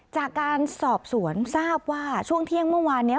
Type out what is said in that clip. จากการสอบสวนทราบว่าช่วงเที่ยงเมื่อวานนี้